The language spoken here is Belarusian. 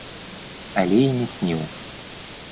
Але і не сніў.